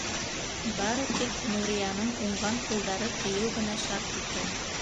Бары тик Нурияның уңған ҡулдары тейеү генә шарт икән.